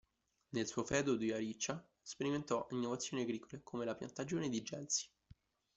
Nel suo feudo di Ariccia sperimentò innovazioni agricole, come la piantagione di gelsi.